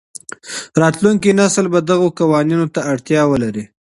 راتلونکی نسل به دغو قوانینو ته اړتیا ولري.